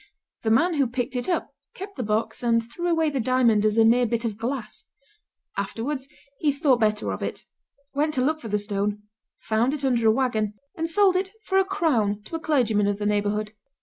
The man who picked it up kept the box and threw away the diamond as a mere bit of glass. Afterwards he thought better of it; went to look for the stone, found it under a wagon, and sold it for a crown to a clergyman of the neighborhood.